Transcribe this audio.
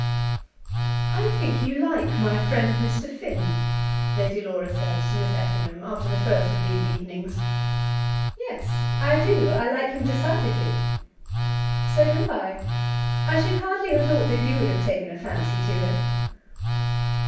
"I think you like my friend, Mr. Finn," Lady Laura said to Miss Effingham, after the first of these evenings. "Yes, I do. I like him decidedly." "So do I. I should hardly have thought that you would have taken a fancy to him."